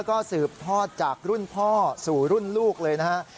ก็สืบทอดจากรุ่นพ่อสู่รุ่นลูกเลยนะฮะ